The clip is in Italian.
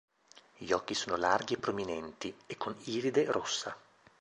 Gli occhi sono larghi e prominenti, e con iride rossa.